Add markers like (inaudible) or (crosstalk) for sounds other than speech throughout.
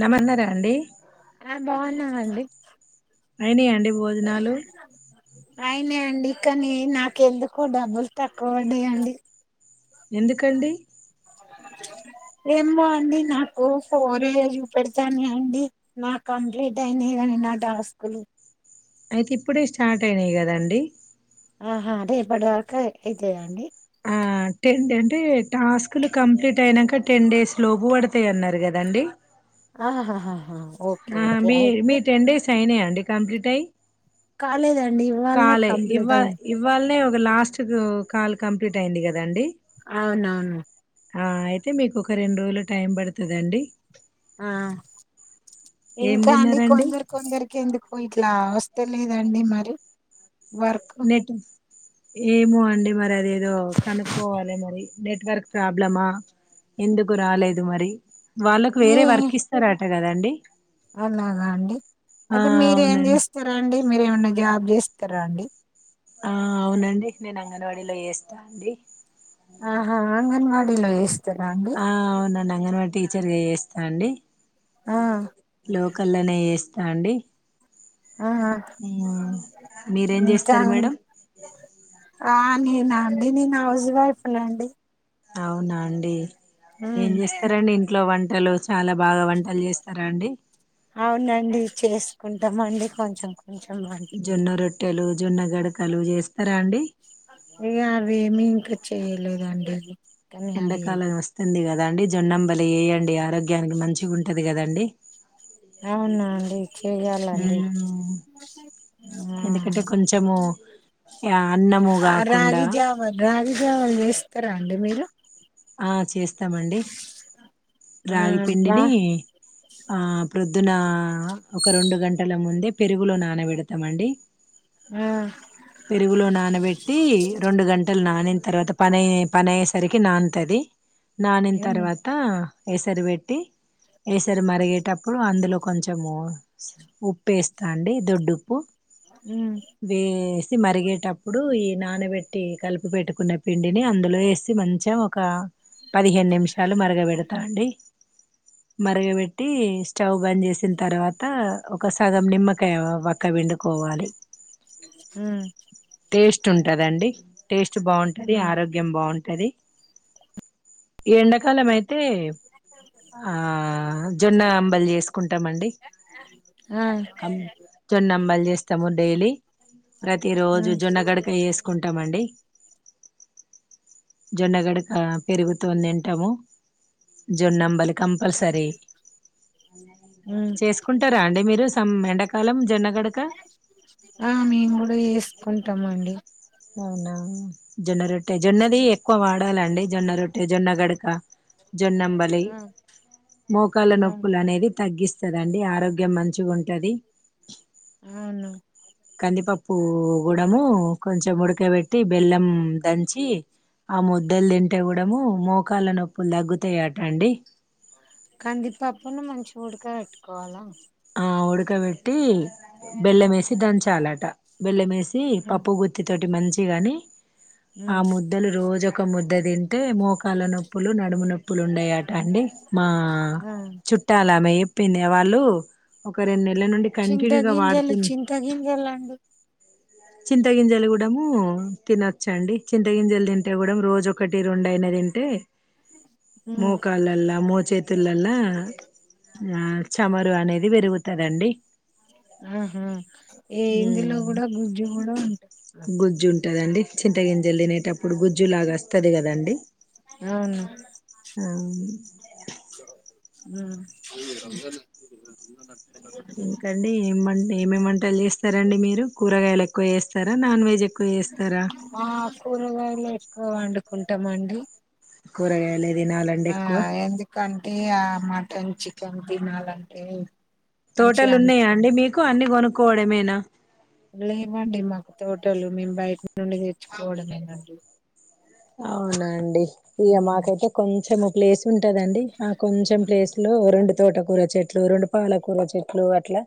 నమ అన్నార ఆ బాగున్నా అయినాయి అండి భోజనాలు అయినాయి అండి కానీ నాక ఎందుకో డబ్బులు తక్కువ పడ్డాయండి ఎందుకండి ఏమో అండి నాకు ఫోర్ ఎ చూపెడతానే అండి నాకు కంప్లీట్ అయినని నా టాస్కులు అయితే ఇప్పుడే స్టార్ట్ అయినాయి కదండీ ఆహా రేపటి వరకు అయితయాండి ఆ టెన్ అంటే టాస్కులు కంప్లీట్ అయినాక టెన్ డేస్ లోపు పడతాయి అన్నారు కదాండి ఆహాహా ఆ మీ మీ టెన్ డేస్ అయినాయి అండి కంప్లీట్ అయ్యి కాాలేదడి కాాలే ఇవా ఇవాళనే ఒక లాస్ట్ కాల్ కంప్లీట్ అయింది కదండి అవునవును ఆ అయితే మీకు ఒక రెండు రోజులు టైం పడుతుందండి ఆ ఏం ఇంకా అండి తిన్నారండి కొందరు కొందరికి ఎందుకు ఇట్లా వస్త లేదండి మరి వర్క్ నెట్ ఏమో అండి మరి అది ఏదో కనుక్కోవాలి మరి నెట్వర్క్ ప్రాబ్లమా ఎందుకు రాలేదు మరి వాళ్ళకు మీ వేరే వర్క్ ఇస్తారట తే కదండి అలాగా అండి ఆ అయితే మీర ఏం అవునండి చేస్తారా అండి మీరే ఏమన్నా జాబ్ చేస్తారా అండి ఆ అవునండి నేను అంగన్వాడీలో చేస్తాండీ ఆహా అంగన్వా డీ లో చెస్ ఆ అవునా అంగనవా టీచర్ చేస్ స్తా అండి ఆ లో కల్లనే చేస్తా అండి ఆ ఆ! మీరేం ఇంకా చేస్తారు మేడం ఆ నేనా అండి నేను హౌస్ వైఫ్ అండి అవునాండి ఏం చేస్తారండి ఇంట్లో వంట్ పంటలు చాలా బాగా వంటలు చేస్తారా అండి అవునండి చేసుకుంటామ అండి కొంచెం కొంచెం వంటలు. జొన్న రొట్టెలు జొన్న గడకలు చేస్తారా అండి ఇగ అవి ఏమి ఇంకా చేయలేదండి కానీ అవి ఎండకాలము వస్తంది గద అండి జొన్నం బలి ఏయండి ఆరోగ్యానికి మంచిగా ఉంటుంది కదండి అవునా అండి చేయాలండి ఉమ్, ఎందుకంటే కొంచెము ఆ, అన్నము ఆ కాకుండా రాగి జావ రాగి జావలు చేస్ స్తర అండి మీరు ఆ చేస్తామండి ఆ రాగి బా పిండిని ఆ ప్రొద్దున ఒక రెండు గంటల ముందే పెరుగులో నానబె డతాం అండి ఆ పెరుగులో నానబెట్టి రెండు గంటలు నానిన తర్వాత పని పని అయ్యేసరికి నా న్ తది నానిన్ ఉమ్ తర్వాత ఏసరి పెట్టి ఏసరి మరిగేటప్పుడు అందులో కొంచెము ఉప్పుేస్తా అండి దొడ్డుప్పు ఉమ్ వేసి మరిగేటప్పుడు ఏ నానబెట్టి కలిపి పెట్టుకున్న పిండిని అందులో వేసి మంచమ్ ఒక పదిహేను నిమిషాలు మరగబెడత్ అండి మరగబెట్టి స్టవ్ బంద్ చేసిన తర్వాత ఒక సగం నిమ్మకాయ వక్కవిండు కోవాలి ఉమ్ టెస్ట్ ట్ ఉంటుదండి టేస్ట్ బాగుంటది ఉమ్ ఆరోగ్యం బాగున్ తది ఈ ఎండాకాలం అయితే తె ఆ జొన్న అంబల్ చేస్ కుంటామండి ఆ జొన్న అంబల్ చేస్తాము డైలీ ప్రతి రోజు ఉమ్ జొన్నగడకయ చేసుకుంటామండి జొండగడక పెరుగుతోన్ తింటాము జొన్నంబలి కంపల్సరీ ఉమ్ చేసుకుంటారా అండి మీరు తం ఎండకాలం జన్న ఆ మేము గుడ చెస్కుంటాం అండి అవునా జొన్నారోట్ టె జొన్నది ఎక్కువ వాడ్ డాలండి జొన్న రొట్టె జొన్న గడక జొన్నంబలి ఆ మోకాల అవును నొప్పుల్ అనేది తగ్గిస్ సదండి ఆరోగ్యం మంచిగా ఉంటది అవును కందిపప్పు గుడము కొంచెం ఉడకబెట్టి బెల్లం దంచి ఆ ముద్దల్ తింటే గుడము మోకాళ్ల నొప్పుల్ దగ్గుతాయ్ అట్ అండి కందిపప్పును మంచిగ్ ఊడక వెట్కోవాలా ఆ ఉడకవెట్టి బెల్లమేసి దంచాలట బెల్లమేస్ ది ఉమ్ పప్పు గుత్తి తోట్ టి మంచిగని ఆ ఉమ్ ముద్దలు రోజ్ ఒక్ ఒక ముద్ద తింటే మోకాల నొప్పులు, నడుము నొప్పులు ఉండయట అండి మా ఆ చుట్టాలమె యేప్ పిందేవాళ్ళు ఒక రెండ్ నెల్ చింత గింజలు చింత గింజల్ అండి చింత గింజల్ గూడము తినచ్చండి చింత గింజల్ తింటే గుడం రోజు ఒకటి రోండైనా తింటే ఉమ్ మోకాల్లాలా మో చేతులల్ల వాక్ చమరు అనేది వేర్గుతదండి మ్హు ఏ ఉమ్ ఇందులో గుడ గుజ్జు కూడ ఉంటయ్ కదండి చింత గింజల్ తినేటప్పుడు గుజ్జు లాగా అస్తది కదండి అవును ఆ ఉమ్ (unintelligible) (unintelligible) ఇంకండి ఏం వంట్ ఏమెం వంటల్ చేస్తారండి మీరు కూరగాయలక్ కొ ఎవేస్తార నాన్ వెజ్ ఎ ఆ కూరగాయలే పో అండు కుంటా అండి కూరగాయలే తినాలండి ఎక్కువ టే ఆ మటన్ చికెన్ తినాలంటే మంచిగా తోటలు ఉన్నాయా అనిపిం అండి మీకు అన్ని కొనుకో కోడమేనా లేవండి మాకు తోటలు మేము బయట నుండి తెచ్చుకోవడంమేనండి అవునండి ఇగ మాకైతే కొంచెం ప్లేస్ ఉంటదండి ఆ కొంచెం ప్లేస్ లో రెండు తోటకూర చెట్లు రెండు పాలకూర చెట్లు అట్లా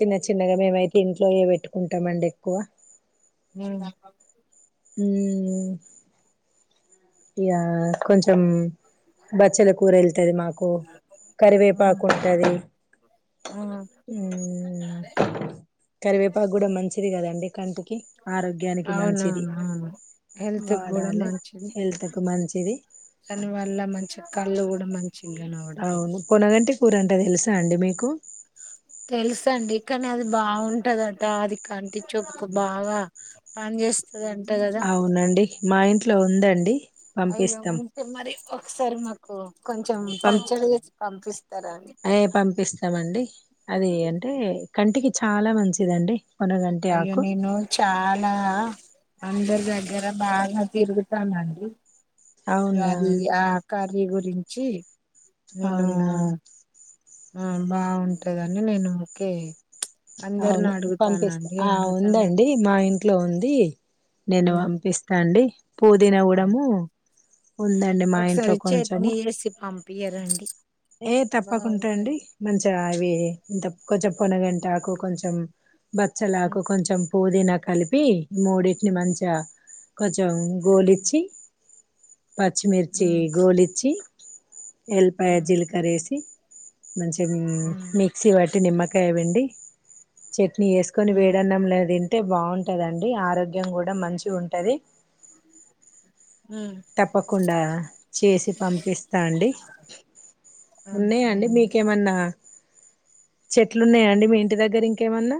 చిన్న చిన్నగా మేమైతే ఇంట్లోనే పెట్టుకుంటామండి ఎక్కువ (inaudible) మ్మ్ ఇగ కొంచెం బచ్చల కూర ఎల్లుతది మాకు కరివేపాకు ఉంటది ఉమ్. మ్మ్ కరివేపాకు కూడా మంచిది కదం ఎ కంతు అవునవును అవును హెల్త్ కూడా వాడాలి మంచిది హెల్త్ కు మంచిది దాని వల్ల మంచి కళ్ళు కూడ మన్ అవును కొనాలంటే ఊరంట తెలుసా అండి మీకు తెలుస అండి కానీ అది బాగుంటదట అది కంటి చూప్ కి బాగా పని చేస్త అవునండి మా ఇట్ ట్లో ఉందండి అయ్యో పంపిస్తాం ఉంటే మరి ఒకసారి మాకు కొంచెం పం పచ్చడి చేసి పంపిస్తారా అండి ఏ పంపిస్తామండి అది అంటే కంటికి చాలా మంచిదండి పొనగంటి అయ్యో ఆకు నేను చాలా అందరి దగ్గర బాగా తిరుగుతానండి ఇగ అవునా అది ఆ కాద్ మీ గురించి నేను అవునా ఆ బాగుంటదండి నేను ఓకే అందరిని అవును పంపిస్తా అడుగుతానండి ఆ అడుగుతాను ఉందండి మా ఇన్ ఇంట్లో ఉంది నేను ఉమ్ పంపిస్తా అండి పుదినా ఉమ్. కుడము ఉందండి మా ఇంట్లో ఒకసారి కొంచము చట్నీ చేసి పంపియరండి ఏ తప్పకుండా అండి బాగుంటది మంచిగా అవి ఇ తపుకూ కొంచెం పోనగంటి ఆకు కొంచెం బచ్చలాకు ఉమ్ కొంచెం పుదీనా కలిపి మూడింటిని మంచిగా కొంచెం గోలిచ్చి పచ్చిమిర్చి ఉమ్ గోలిచ్చి ఎల్పాయ ఉమ్ జీలకర్ర అసి మంచి ఉమ్ మిక్సీ పట్టి నిమ్మకాయపిండి చెక్ వేసుకొని ఉమ్ వేడన్నాం తింటే అ బాగుం దండి ఆరోగ్యం కూడా మంచి ఉంటది ఉమ్ తప్పకుండా చేసి పంపిస్తా అండి ఉన్నాయండి పంపియండి మీకేమన్నా చెట్లున్నాయాండి మీ ఇంటి దగ్గర ఇంకేమన్నా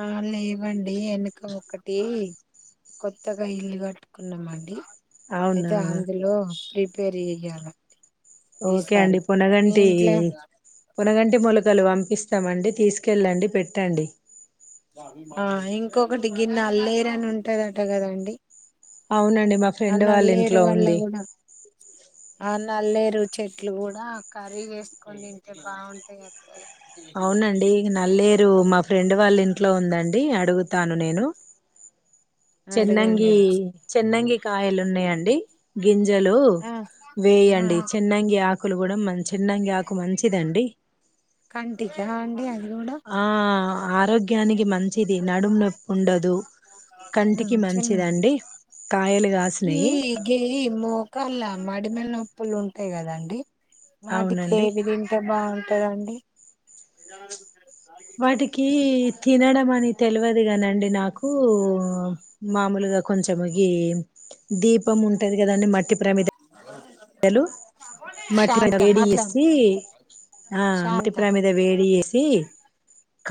ఆ లేవండి వెనక ఒకటి కొత్తగా ఇల్లు కట్టుకున్నాము అండి అవునా అయితే అందులో ప్రీ పెరియలండి ఓకే అండి పునగంటి పునగంటి మూలకలు పంపిస్తామండి తీసుకెళ్ళండి పెట్టండి ఆ ఇంకొకటి గిన్నె అల్లేరు అని ఉంటదట కదాండి అవునండి మా ఫ్రెండ్ వాళ్ళ ఇంట్లో ఉంది కూడా ఆ నల్లేరు చెట్లు కూడా కర్రీ వేసుకొని తింటే బాగుంటాయి అగ అవునండి నల్లేరు మా ఫ్రెండ్ వాళ్ళ ఇంట్లో ఉందండి అడుగుతాను నేను చెన్నంగి అడగండి చెన్నంగి కాయలు ఉన్నాయండి గింజలు ఆ ఆ వేయండి చెన్నంగి ఆ కొలు కూడా మంది చెన్నంగి ఆకు మంచిదండి కంటికా అండి అది కూడా ఆ ఆరోగ్యానికి మంచిది నడుము నొప్పి ఉండదు కంటికి చిన్న మంచిదిండి కాయలు కాసినయి మడిమలిప్పులు ఉంటాయి కదండి అవునండి వాటిఅవి తింటే బాగుంటుంది కద అండి వాటికి తినడం అని తెలియదుగా అండి నాకు ఊ మామూలుగా కొంచెం ఏ దీపం ఉంటుంది కదండి మట్టి ప్రమిద లు మట్టి శాంత వేడి వేసి మాట్లాడుకో ఆ మట్టి శాంత ప్రమీద వేడి వేసి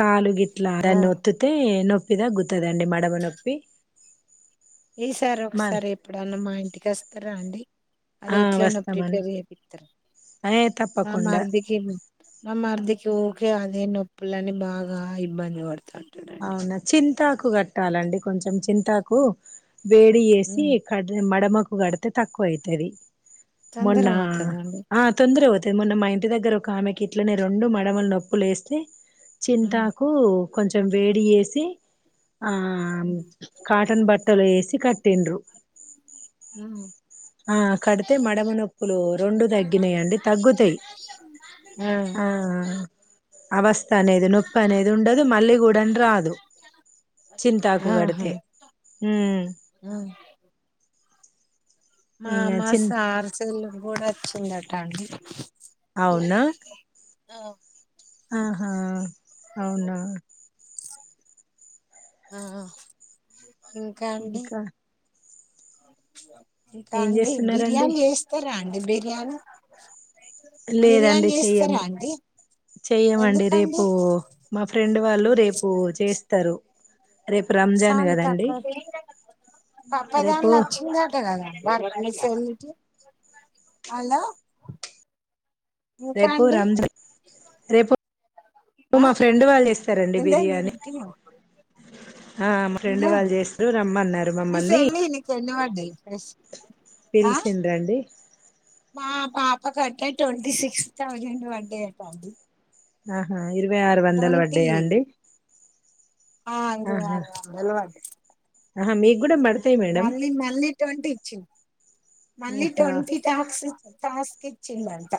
కాలు గిట్లా ఆ దాన్నీ వోత్తితే నొప్పి ఇద గు తదండి మడమ నొప్పి ఈసారి మ ఒకసారి ఎప్పుడన్నా మా ఇంటికి వస్తారా అండి ఆది ఆ ఎట్లనో వస్తామండి ప్రిపేర్ చెపిత్తర అండి ఏ నా తప్పకుండా మరిదికి నా మరిదికి ఊ అదే నొప్పులని బాగా ఇబ్బంది పడత అవునా చి చింతాకు కట్టాలండి కొంచెం చింతాకు వేడి చేసి ఉమ్ క మడమకు కు కడితే తక్కువ అయతది తొందర మొన్న అవుతదండి ఆ తొందర ఓత మొన్న మా ఇంటి దగ్గర ఒక ఆమెకి ఇట్లనే రెండు మడమలు నొప్పులు వేస్తే ఉమ్ చింతాకు కొంచెం వేడి వేసి ఆ కాటన్ బట్టలు వేసి కట్ టీండ్రు హు ఆ కడితే మడమ నొప్పులు రెండు తగ్గినాయండి తగ్గుతాయి ఆ అవస్థ అనేది నొప్పి అనేది ఉండదు మళ్ళీ కూడా రాదు చింతాకు ఆహా కడితే హు మామా సార్చలు కూడా వచ్చిందట అండి అవునా (inaudible) ఆ ఆహా అవునా ఆఆ ఇంకా అండి ఇంకా ఇంకా ఏం అండి చేస్తున్నారండి బిర్యానీ చేస్తారా బిర్యానీ బిర్యానీ లేదండి చెయ్యము చేస్తారా అండి చెయ్యమండి ఎందుకండి రేపు మా ఫ్రెండ్ వాళ్ళు రేపు చేస్త తరు సౌండ్ తక్కువ రేపు పప్పదాంచ్చిందట కదా అలసం అలొ రేపు రంజన్ రేపు ఆ మా ఫ్రెండ్ వాళ్ళు ఇస్తారండి ఎందే బిర్యానీ ఆ మా ఫ్రెండ్ వాళ్ళు చేస్తురు రమ్మన్నారు మమ్మల్ని మిస్ పిల్ సిందండి అపకంటే టొంటీ సిక్స్ థౌసండ్ వడై అంట ఆహా ఇరవై ఆరు వందలు టొంటీ పడ్డాయా అండి అ అంకుల్ ఆహా వాలా తెల్వద్ ఆహా మీక్ మళ్ళీ మళ్ళీ టొంటీ ఇచ్చి మళ్ళీ ఆహా టొంటి టాస్క్ టాస్క్ కిచ్చిందంట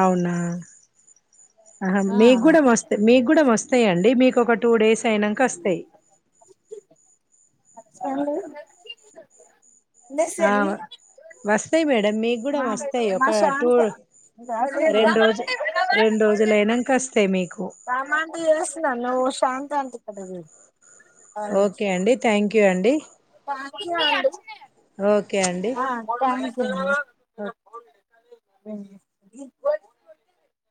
అవ్ నా ఆహ ఆ మీగుడ వోస్త మీగుడ వోస్ స్తే అండి మీకోక టు డేస్ ఐనంకోస్తాయి స్తేన అవ్ వస్తేయి మేడం మీక్ కూడా మా వస్తాయి మా ఒక టూ శాంత రెండ్ రోజు రెండ్ రోజులైనంకా ఓస్తాయి మీకు శాంత్రతికొసదండి ఓకే అండి థ్యాంక్ ఎఅండి థాంక్ యు అంది ఒకే అండి గా అ